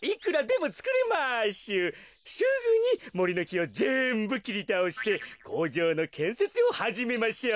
すぐにもりのきをぜんぶきりたおしてこうじょうのけんせつをはじめましょう。